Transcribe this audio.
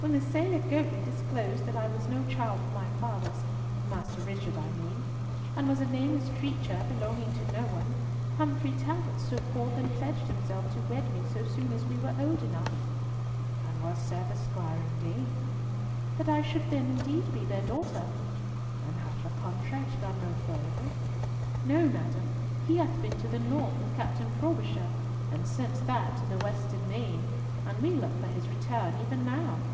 "When the sailor Goatley disclosed that I was no child of my father's, of Master Richard I mean, and was a nameless creature belonging to no one, Humfrey Talbot stood forth and pledged himself to wed me so soon as we were old enough." "And what said the squire and dame?" "That I should then be indeed their daughter." "And hath the contract gone no farther?" "No, madam. He hath been to the North with Captain Frobisher, and since that to the Western Main, and we look for his return even now."